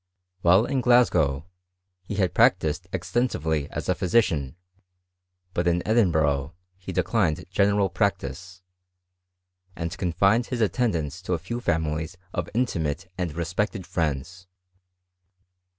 While in Glasgow, he had practised extensively as a physi eian ; but in Edinburgh he declined general practice, and confined his attendance to a few families of inti mate and respected friends.